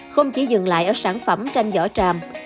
không chỉ dừng lại ở sản phẩm tranh vỏ tràm